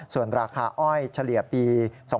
ส่วนราคาอ้อยเฉลี่ยปี๒๕๖